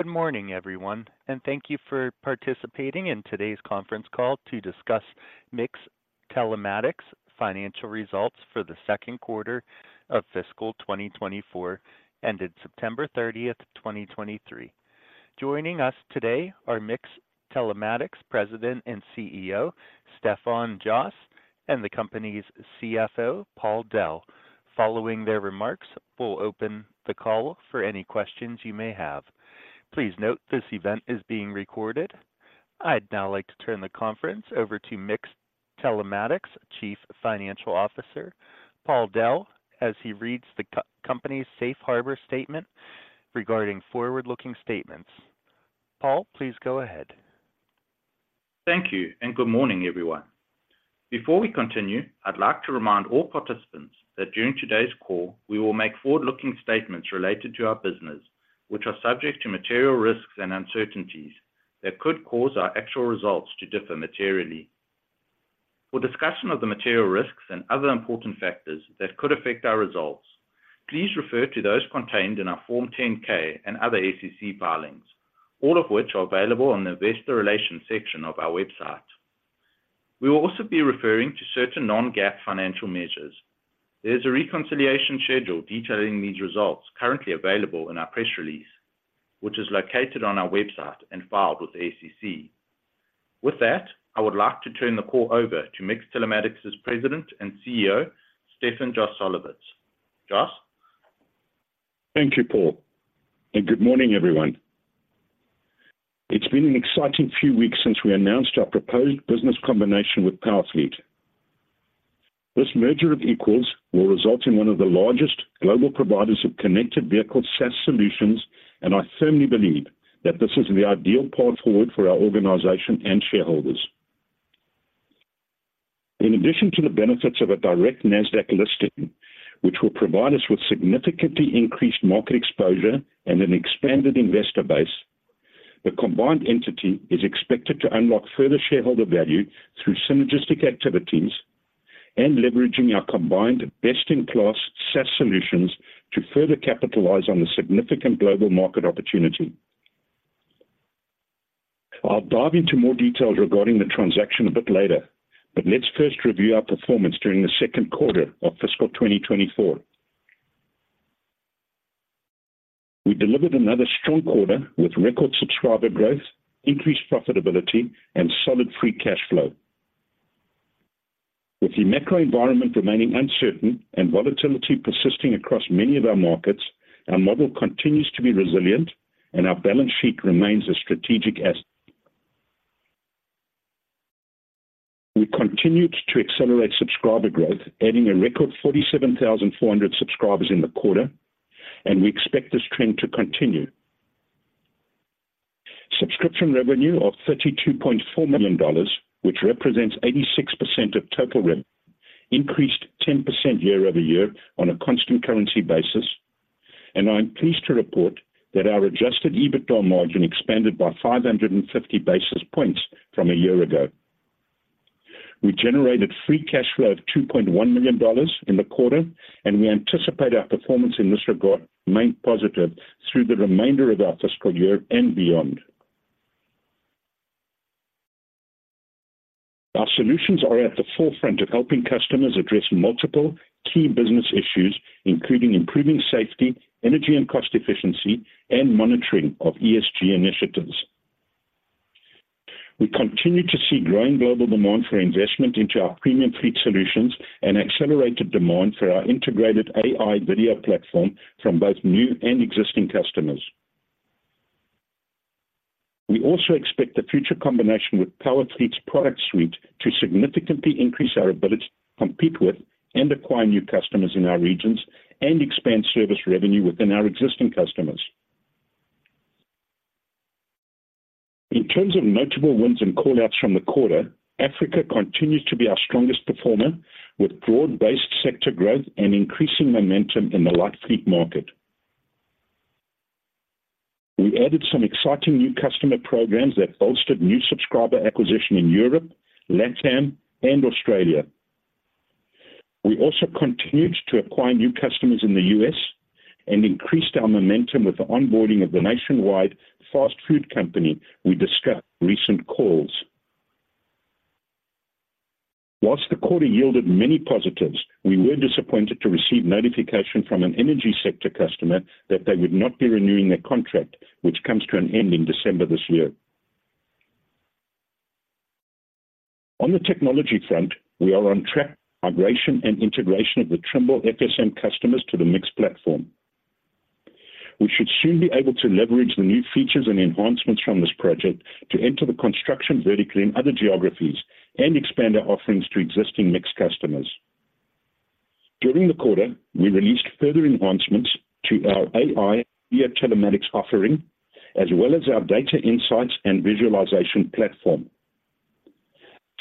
Good morning, everyone, and thank you for participating in today's conference call to discuss MiX Telematics' financial results for the Second Quarter of Fiscal 2024, ended 30 September 2023. Joining us today are MiX Telematics President and CEO, Stefan Jos, and the company's CFO, Paul Dell. Following their remarks, we'll open the call for any questions you may have. Please note, this event is being recorded. I'd now like to turn the conference over to MiX Telematics' Chief Financial Officer, Paul Dell, as he reads the company's safe harbor statement regarding forward-looking statements. Paul, please go ahead. Thank you, and good morning, everyone. Before we continue, I'd like to remind all participants that during today's call, we will make forward-looking statements related to our business, which are subject to material risks and uncertainties that could cause our actual results to differ materially. For discussion of the material risks and other important factors that could affect our results, please refer to those contained in our Form 10-K and other SEC filings, all of which are available on the Investor Relations section of our website. We will also be referring to certain non-GAAP financial measures. There is a reconciliation schedule detailing these results currently available in our press release, which is located on our website and filed with the SEC. With that, I would like to turn the call over to MiX Telematics' President and CEO, Stefan Joselowitz. Jos? Thank you, Paul, and good morning, everyone. It's been an exciting few weeks since we announced our proposed business combination with Powerfleet. This merger of equals will result in one of the largest global providers of connected vehicle SaaS solutions, and I firmly believe that this is the ideal path forward for our organization and shareholders. In addition to the benefits of a direct NASDAQ listing, which will provide us with significantly increased market exposure and an expanded investor base, the combined entity is expected to unlock further shareholder value through synergistic activities and leveraging our combined best-in-class SaaS solutions to further capitalize on the significant global market opportunity. I'll dive into more details regarding the transaction a bit later, but let's first review our performance during the second quarter of fiscal 2024. We delivered another strong quarter with record subscriber growth, increased profitability, and solid free cash flow. With the macro environment remaining uncertain and volatility persisting across many of our markets, our model continues to be resilient and our balance sheet remains a strategic asset. We continued to accelerate subscriber growth, adding a record 47,400 subscribers in the quarter, and we expect this trend to continue. Subscription revenue of $32.4 million, which represents 86% of total revenue, increased 10% year-over-year on a constant currency basis, and I'm pleased to report that our adjusted EBITDA margin expanded by 550 basis points from a year ago. We generated free cash flow of $2.1 million in the quarter, and we anticipate our performance in this regard to remain positive through the remainder of our fiscal year and beyond. Our solutions are at the forefront of helping customers address multiple key business issues, including improving safety, energy and cost efficiency, and monitoring of ESG initiatives. We continue to see growing global demand for investment into our premium fleet solutions and accelerated demand for our integrated AI video platform from both new and existing customers. We also expect the future combination with Powerfleet's product suite to significantly increase our ability to compete with and acquire new customers in our regions and expand service revenue within our existing customers. In terms of notable wins and call-outs from the quarter, Africa continues to be our strongest performer, with broad-based sector growth and increasing momentum in the light fleet market. We added some exciting new customer programs that bolstered new subscriber acquisition in Europe, LATAM, and Australia. We also continued to acquire new customers in the U.S. and increased our momentum with the onboarding of the nationwide fast food company we discussed in recent calls. While the quarter yielded many positives, we were disappointed to receive notification from an energy sector customer that they would not be renewing their contract, which comes to an end in December this year. On the technology front, we are on track for migration and integration of the Trimble FSM customers to the MiX platform. We should soon be able to leverage the new features and enhancements from this project to enter the construction vertical in other geographies and expand our offerings to existing MiX customers. During the quarter, we released further enhancements to our AI video telematics offering, as well as our data insights and visualization platform.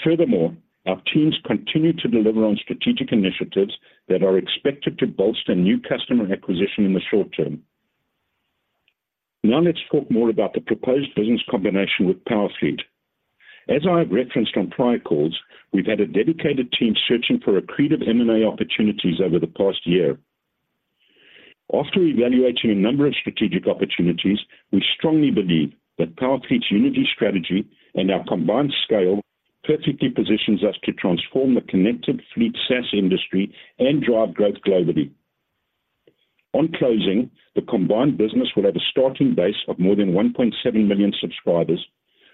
Furthermore, our teams continue to deliver on strategic initiatives that are expected to bolster new customer acquisition in the short term. Now, let's talk more about the proposed business combination with Powerfleet. As I have referenced on prior calls, we've had a dedicated team searching for accretive M&A opportunities over the past year. After evaluating a number of strategic opportunities, we strongly believe that Powerfleet's Unity strategy and our combined scale perfectly positions us to transform the connected fleet SaaS industry and drive growth globally. On closing, the combined business will have a starting base of more than 1.7 million subscribers,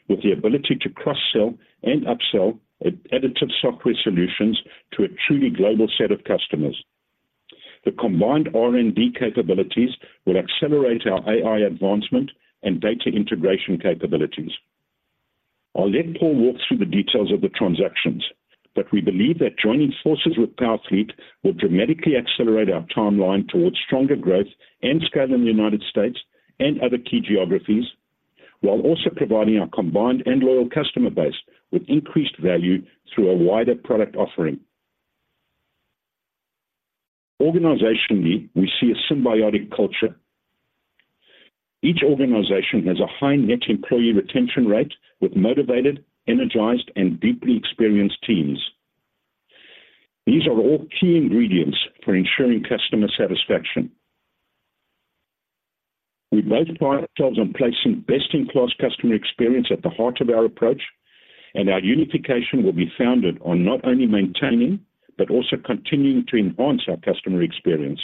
with the ability to cross-sell and upsell additive software solutions to a truly global set of customers. The combined R&D capabilities will accelerate our AI advancement and data integration capabilities. I'll let Paul walk through the details of the transactions, but we believe that joining forces with Powerfleet will dramatically accelerate our timeline towards stronger growth and scale in the United States and other key geographies, while also providing our combined and loyal customer base with increased value through a wider product offering. Organizationally, we see a symbiotic culture. Each organization has a high net employee retention rate with motivated, energized, and deeply experienced teams. These are all key ingredients for ensuring customer satisfaction. We both pride ourselves on placing best-in-class customer experience at the heart of our approach, and our unification will be founded on not only maintaining, but also continuing to enhance our customer experience.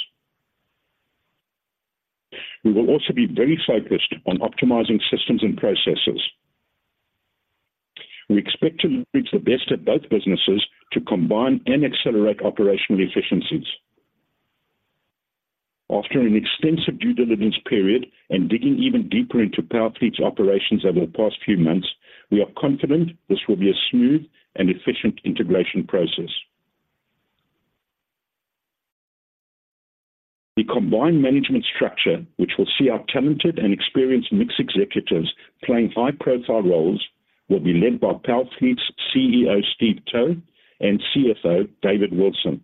We will also be very focused on optimizing systems and processes. We expect to leverage the best of both businesses to combine and accelerate operational efficiencies. After an extensive due diligence period and digging even deeper into Powerfleet's operations over the past few months, we are confident this will be a smooth and efficient integration process. The combined management structure, which will see our talented and experienced MiX executives playing high-profile roles, will be led by Powerfleet's CEO, Steve Towe, and CFO, David Wilson.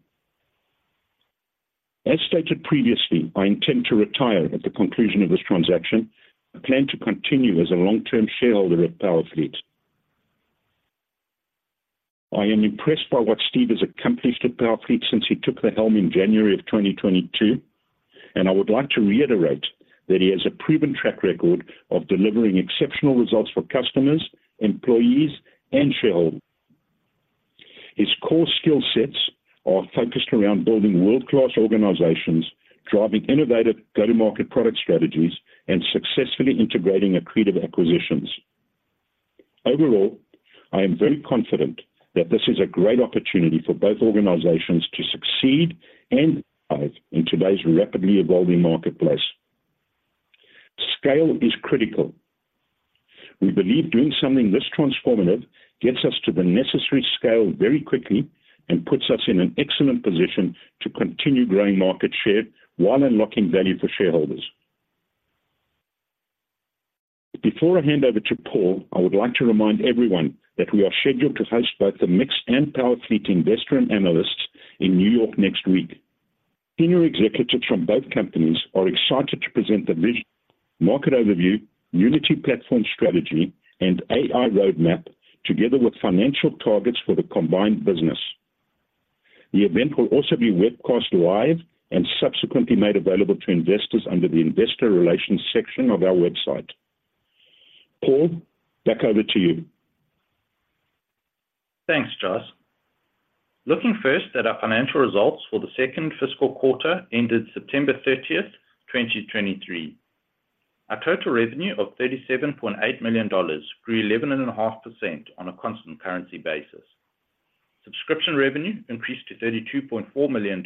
As stated previously, I intend to retire at the conclusion of this transaction. I plan to continue as a long-term shareholder of Powerfleet. I am impressed by what Steve has accomplished at Powerfleet since he took the helm in January 2022, and I would like to reiterate that he has a proven track record of delivering exceptional results for customers, employees, and shareholders. His core skill sets are focused around building world-class organizations, driving innovative go-to-market product strategies, and successfully integrating accretive acquisitions. Overall, I am very confident that this is a great opportunity for both organizations to succeed and thrive in today's rapidly evolving marketplace. Scale is critical. We believe doing something this transformative gets us to the necessary scale very quickly and puts us in an excellent position to continue growing market share while unlocking value for shareholders. Before I hand over to Paul, I would like to remind everyone that we are scheduled to host both the MiX and Powerfleet investor and analysts in New York next week. Senior executives from both companies are excited to present the vision, market overview, Unity platform strategy, and AI roadmap, together with financial targets for the combined business. The event will also be webcast live and subsequently made available to investors under the Investor Relations section of our website. Paul, back over to you. Thanks, Jos. Looking first at our financial results for the second fiscal quarter ended 30 September 2023. Our total revenue of $37.8 million grew 11.5% on a constant currency basis. Subscription revenue increased to $32.4 million,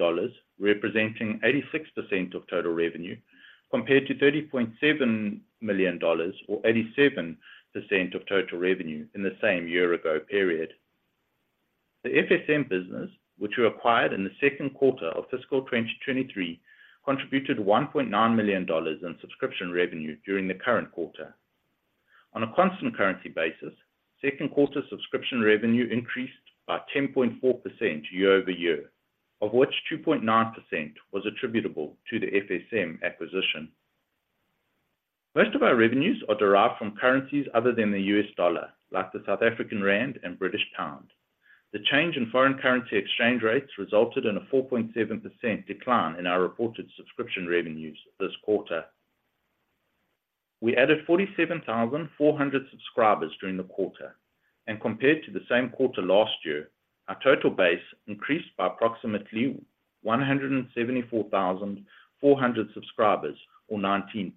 representing 86% of total revenue, compared to $30.7 million or 87% of total revenue in the same year-ago period. The FSM business, which we acquired in the second quarter of fiscal 2023, contributed $1.9 million in subscription revenue during the current quarter. On a constant currency basis, second quarter subscription revenue increased by 10.4% year-over year, of which 2.9% was attributable to the FSM acquisition. Most of our revenues are derived from currencies other than the U.S. dollar, like the South African rand and British pound. The change in foreign currency exchange rates resulted in a 4.7% decline in our reported subscription revenues this quarter. We added 47,400 subscribers during the quarter, and compared to the same quarter last year, our total base increased by approximately 174,400 subscribers or 19%.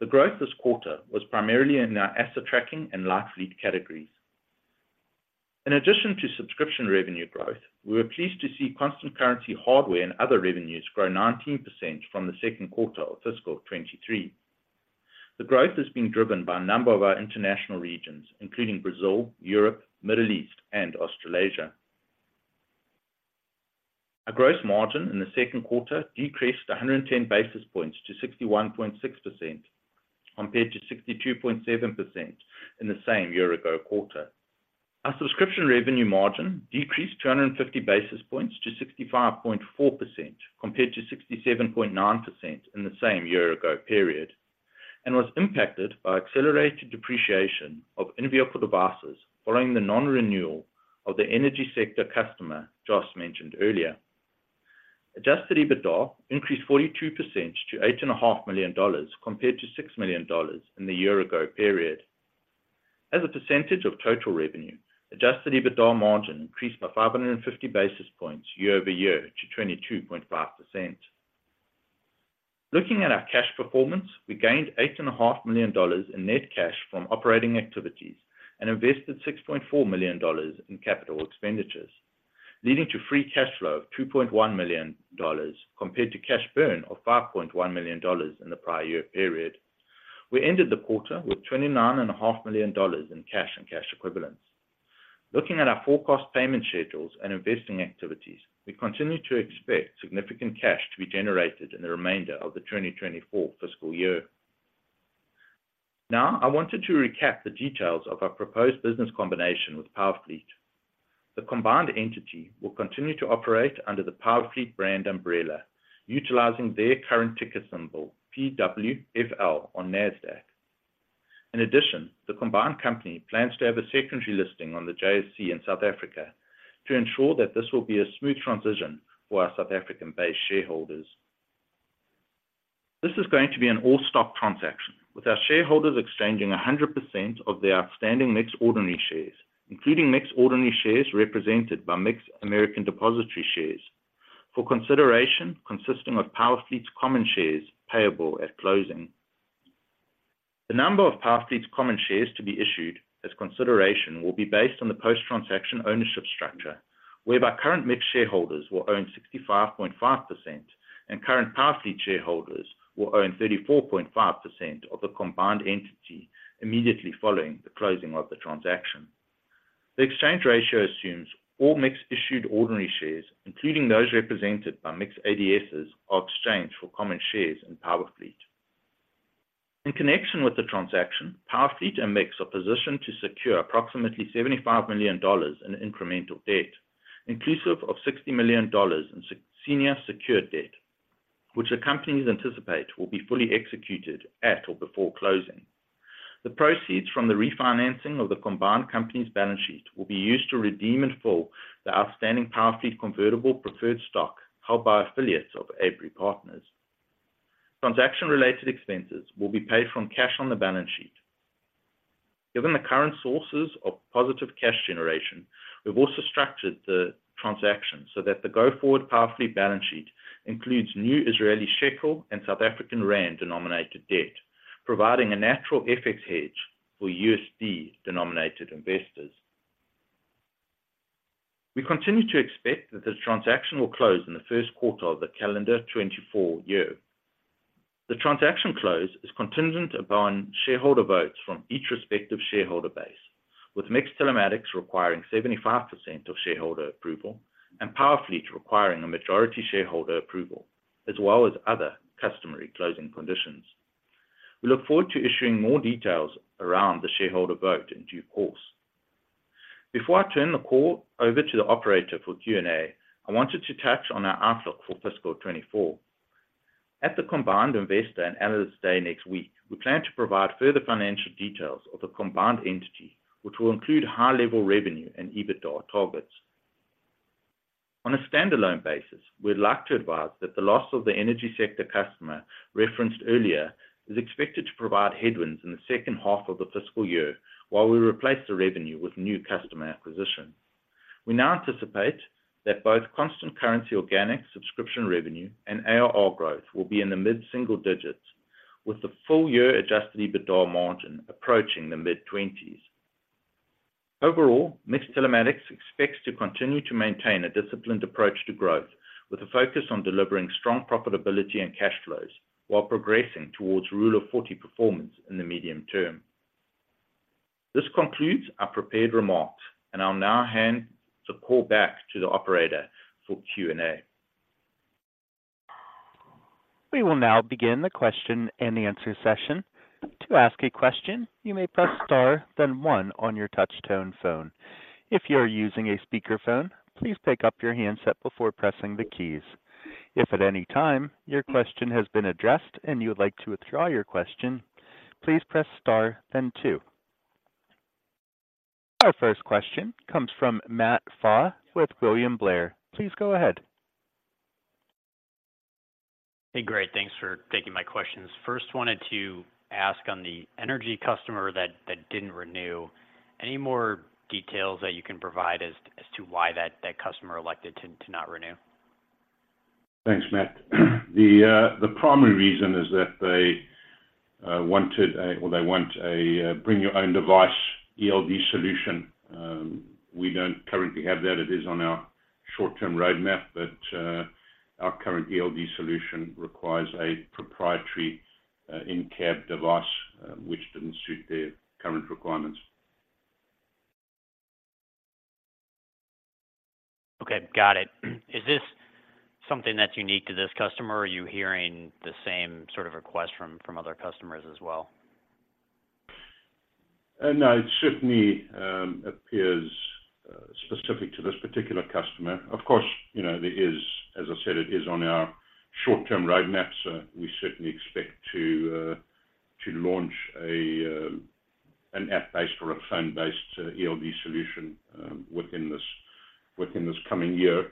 The growth this quarter was primarily in our asset tracking and light fleet categories. In addition to subscription revenue growth, we were pleased to see constant currency, hardware, and other revenues grow 19% from the second quarter of fiscal 2023. The growth has been driven by a number of our international regions, including Brazil, Europe, Middle East, and Australasia. Our gross margin in the second quarter decreased 110 basis points to 61.6%, compared to 62.7% in the same year-ago quarter. Our subscription revenue margin decreased 250 basis points to 65.4%, compared to 67.9% in the same year ago period, and was impacted by accelerated depreciation of in-vehicle devices following the non-renewal of the energy sector customer Jos mentioned earlier. Adjusted EBITDA increased 42% to $8.5 million, compared to $6 million in the year ago period. As a percentage of total revenue, adjusted EBITDA margin increased by 550 basis points year-over-year to 22.5%. Looking at our cash performance, we gained $8.5 million in net cash from operating activities and invested $6.4 million in capital expenditures, leading to free cash flow of $2.1 million, compared to cash burn of $5.1 million in the prior year period. We ended the quarter with $29.5 million in cash and cash equivalents. Looking at our forecast payment schedules and investing activities, we continue to expect significant cash to be generated in the remainder of the 2024 fiscal year. Now, I wanted to recap the details of our proposed business combination with Powerfleet. The combined entity will continue to operate under the Powerfleet brand umbrella, utilizing their current ticker symbol, PWFL on NASDAQ. In addition, the combined company plans to have a secondary listing on the JSE in South Africa to ensure that this will be a smooth transition for our South African-based shareholders. This is going to be an all-stock transaction, with our shareholders exchanging 100% of their outstanding MiX ordinary shares, including MiX ordinary shares represented by MiX American Depositary Shares, for consideration consisting of Powerfleet's common shares payable at closing. The number of Powerfleet common shares to be issued as consideration will be based on the post-transaction ownership structure, whereby current MiX shareholders will own 65.5% and current Powerfleet shareholders will own 34.5% of the combined entity immediately following the closing of the transaction. The exchange ratio assumes all MiX-issued ordinary shares, including those represented by MiX ADSs, are exchanged for common shares in Powerfleet. In connection with the transaction, Powerfleet and MiX are positioned to secure approximately $75 million in incremental debt, inclusive of $60 million in senior secured debt, which the companies anticipate will be fully executed at or before closing. The proceeds from the refinancing of the combined company's balance sheet will be used to redeem in full the outstanding Powerfleet convertible preferred stock held by affiliates of Abry Partners. Transaction-related expenses will be paid from cash on the balance sheet. Given the current sources of positive cash generation, we've also structured the transaction so that the go-forward Powerfleet balance sheet includes new Israeli shekel and South African rand-denominated debt, providing a natural FX hedge for USD-denominated investors. We continue to expect that this transaction will close in the first quarter of the calendar 2024. The transaction close is contingent upon shareholder votes from each respective shareholder base, with MiX Telematics requiring 75% of shareholder approval and Powerfleet requiring a majority shareholder approval, as well as other customary closing conditions. We look forward to issuing more details around the shareholder vote in due course. Before I turn the call over to the operator for Q&A, I wanted to touch on our outlook for fiscal 2024. At the combined Investor and Analyst Day next week, we plan to provide further financial details of the combined entity, which will include high-level revenue and EBITDA targets. On a standalone basis, we'd like to advise that the loss of the energy sector customer referenced earlier is expected to provide headwinds in the second half of the fiscal year, while we replace the revenue with new customer acquisition. We now anticipate that both constant currency, organic subscription revenue and ARR growth will be in the mid-single digits, with the full-year Adjusted EBITDA margin approaching the mid-twenties. Overall, MiX Telematics expects to continue to maintain a disciplined approach to growth, with a focus on delivering strong profitability and cash flows, while progressing towards Rule of Forty performance in the medium term. This concludes our prepared remarks, and I'll now hand the call back to the operator for Q&A. We will now begin the question-and-answer session. To ask a question, you may press star, then one on your touch tone phone. If you are using a speakerphone, please pick up your handset before pressing the keys. If at any time your question has been addressed and you would like to withdraw your question, please press star then two. Our first question comes from Matt Pfau with William Blair. Please go ahead. Hey, great. Thanks for taking my questions. First, wanted to ask on the energy customer that didn't renew, any more details that you can provide as to why that customer elected to not renew? Thanks, Matt. The primary reason is that they wanted a... or they want a bring your own device ELD solution. We don't currently have that. It is on our short-term roadmap, but our current ELD solution requires a proprietary in-cab device which didn't suit their current requirements. Okay, got it. Is this something that's unique to this customer, or are you hearing the same sort of request from other customers as well? No, it certainly appears specific to this particular customer. Of course, you know, there is, as I said, it is on our short-term roadmap, so we certainly expect to launch an app-based or a phone-based ELD solution within this coming year.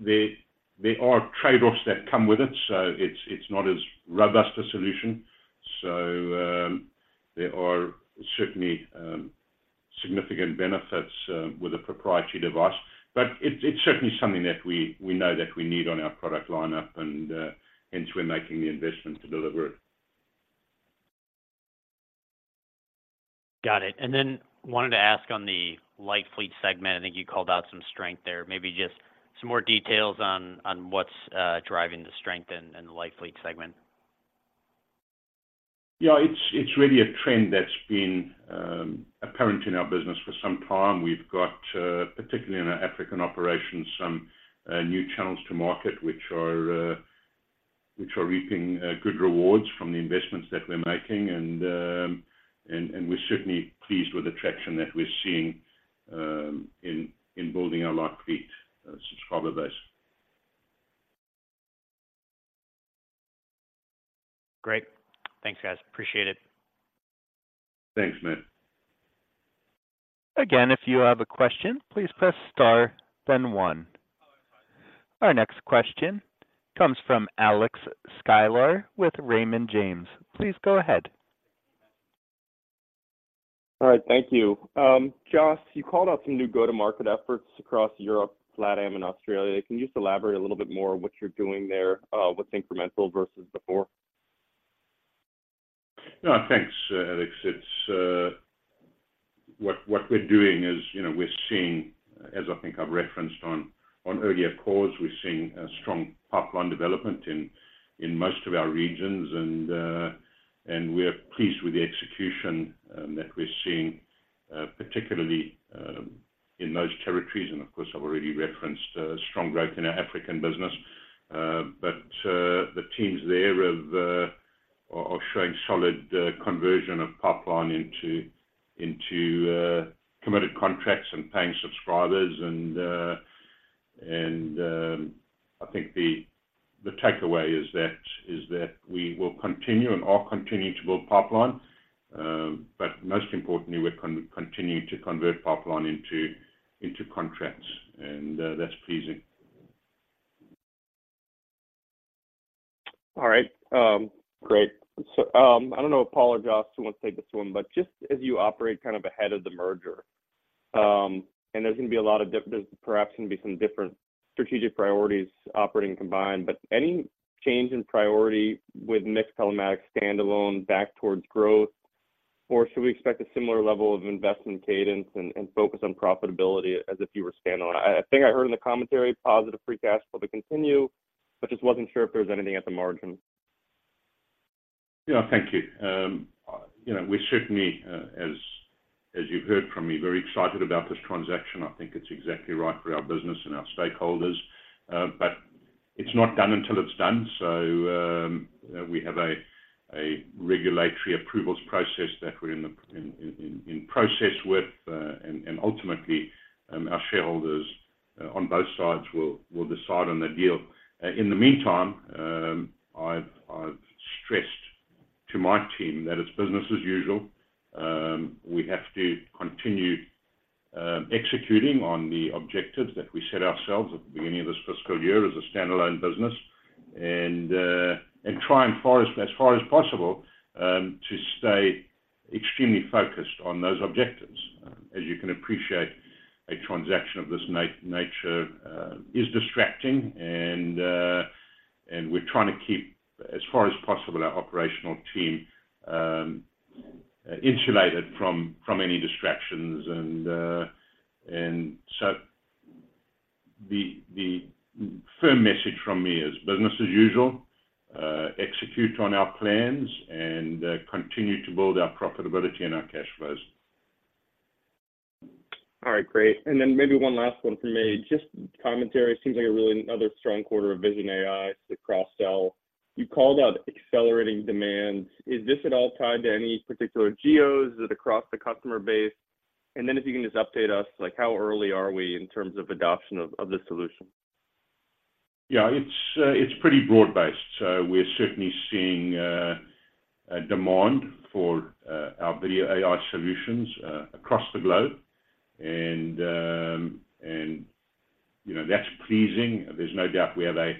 There are trade-offs that come with it, so it's not as robust a solution. So, there are certainly significant benefits with a proprietary device, but it's certainly something that we know that we need on our product lineup, and hence we're making the investment to deliver it. Got it. And then wanted to ask on the light fleet segment. I think you called out some strength there. Maybe just some more details on what's driving the strength in the light fleet segment. Yeah, it's, it's really a trend that's been apparent in our business for some time. We've got particularly in our African operations, some new channels to market, which are, which are reaping good rewards from the investments that we're making. And, and, and we're certainly pleased with the traction that we're seeing in building our light fleet subscriber base. Great. Thanks, guys. Appreciate it. Thanks, Matt. Again, if you have a question, please press star then one. Our next question comes from Alex Sklar with Raymond James. Please go ahead. All right. Thank you. Jos, you called out some new go-to-market efforts across Europe, LATAM, and Australia. Can you just elaborate a little bit more on what you're doing there, what's incremental versus before? Yeah, thanks, Alex. It's what we're doing is, you know, we're seeing, as I think I've referenced on earlier calls, we're seeing a strong pipeline development in most of our regions, and we're pleased with the execution that we're seeing, particularly in those territories. And of course, I've already referenced strong growth in our African business. But the teams there have are showing solid conversion of pipeline into committed contracts and paying subscribers. And and I think the takeaway is that we will continue and are continuing to build pipeline. But most importantly, we're continuing to convert pipeline into contracts, and that's pleasing. All right. Great. So, I don't know, Paul or Jos, who wants to take this one, but just as you operate kind of ahead of the merger, and there's gonna be a lot of different strategic priorities operating combined, but any change in priority with MiX Telematics standalone back towards growth? Or should we expect a similar level of investment cadence and focus on profitability as if you were standalone? I think I heard in the commentary, positive free cash flow to continue, but just wasn't sure if there was anything at the margin. Yeah, thank you. You know, we're certainly, as you've heard from me, very excited about this transaction. I think it's exactly right for our business and our stakeholders. But it's not done until it's done. So, we have a regulatory approvals process that we're in the process with, and ultimately, our shareholders on both sides will decide on the deal. In the meantime, I've stressed to my team that it's business as usual. We have to continue executing on the objectives that we set ourselves at the beginning of this fiscal year as a standalone business, and try as far as possible to stay extremely focused on those objectives. As you can appreciate, a transaction of this nature is distracting, and we're trying to keep, as far as possible, our operational team insulated from any distractions. And so the firm message from me is business as usual, execute on our plans, and continue to build our profitability and our cash flows. All right, great. And then maybe one last one from me. Just commentary, seems like a really another strong quarter of Vision AI, the cross-sell. You called out accelerating demand. Is this at all tied to any particular geos, is it across the customer base? And then if you can just update us, like, how early are we in terms of adoption of the solution? Yeah, it's pretty broad-based. So we're certainly seeing a demand for our video AI solutions across the globe. And, you know, that's pleasing. There's no doubt we have a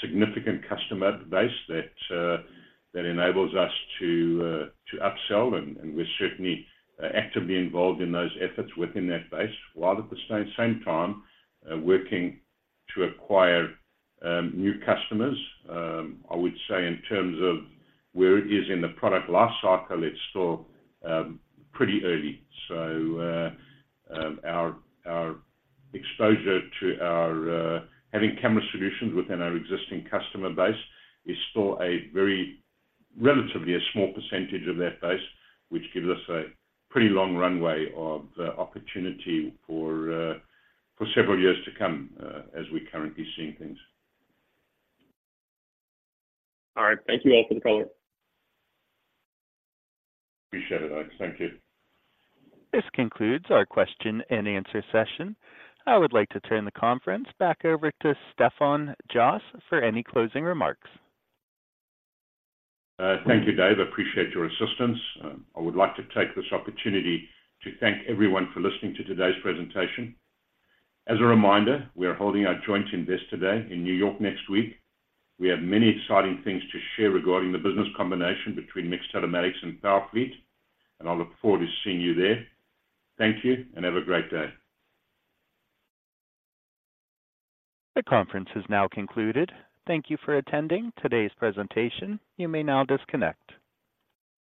significant customer base that enables us to upsell, and we're certainly actively involved in those efforts within that base, while at the same time working to acquire new customers. I would say in terms of where it is in the product life cycle, it's still pretty early. So our exposure to our having camera solutions within our existing customer base is still a very relatively small percentage of that base, which gives us a pretty long runway of opportunity for several years to come as we're currently seeing things. All right. Thank you all for the color. Appreciate it, Alex. Thank you. This concludes our question-and-answer session. I would like to turn the conference back over to Stefan Joselowitz for any closing remarks. Thank you, Dave. I appreciate your assistance. I would like to take this opportunity to thank everyone for listening to today's presentation. As a reminder, we are holding our joint investor day in New York next week. We have many exciting things to share regarding the business combination between MiX Telematics and Powerfleet, and I look forward to seeing you there. Thank you, and have a great day. The conference is now concluded. Thank you for attending today's presentation. You may now disconnect.